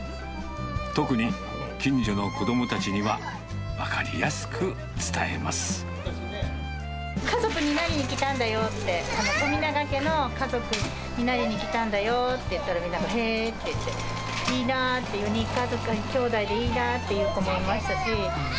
特に近所の子どもたちには、家族になりにきたんだよって、この富永家の家族になりに来たんだよって言ったら、みんな、へーって、いいなって、きょうだいでいいなぁって言う子もいましたし。